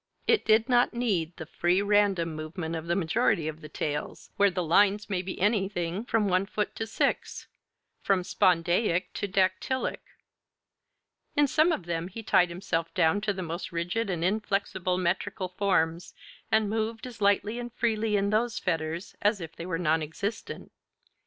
It did not need the free random movement of the majority of the tales, where the lines may be anything from one foot to six, from spondaic to dactylic: in some of them he tied himself down to the most rigid and inflexible metrical forms, and moved as lightly and freely in those fetters as if they were non existent.